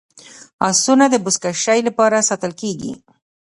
اسونه د بزکشۍ لپاره ساتل کیږي.